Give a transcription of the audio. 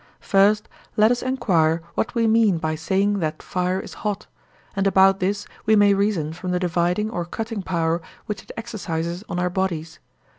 First, let us enquire what we mean by saying that fire is hot; and about this we may reason from the dividing or cutting power which it exercises on our bodies.